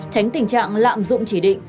tránh tình trạng lạm dụng chỉ định